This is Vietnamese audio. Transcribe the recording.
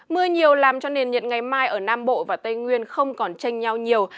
mưa nhiều làm cho nền nhiệt ngày mai ở nam bộ và tây nguyên không còn tranh nhau nhiều